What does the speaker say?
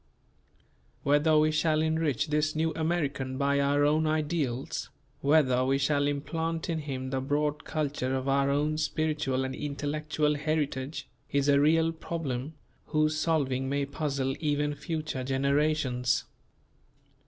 Whether we shall enrich this New American by our own ideals, whether we shall implant in him the broad culture of our own spiritual and intellectual heritage, is a real problem whose solving may puzzle even future generations.